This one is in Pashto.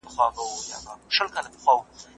ایا دا وسیله په برق کار کوي؟